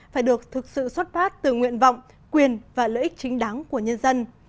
phải được thực sự xuất phát từ nguyện vọng quyền và lợi ích chính đáng của nhân dân